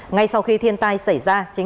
ngay sau khi thiên tai xảy ra chính thức